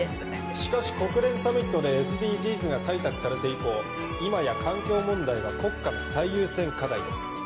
しかし国連サミットでＳＤＧｓが採択されて以降今や環境問題は国家の最優先課題です